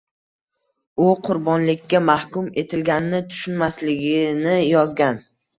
U qurbonlikka mahkum etilganini tushunmasligini yozgan.